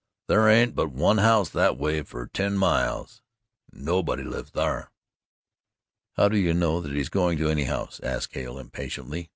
"Thar ain't but one house that way fer ten miles and nobody lives thar." "How do you know that he's going to any house?" asked Hale impatiently.